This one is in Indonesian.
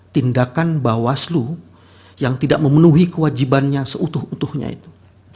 tindakan bawaslu yang tidak memenuhi kewajibannya seutuh utuhnya itu